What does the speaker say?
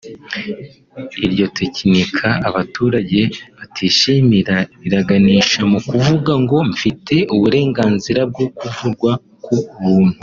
Iryo tekinika abaturage batishimira riraganisha mu kuvuga ngo mfite uburenganzira bwo kuvurwa ku buntu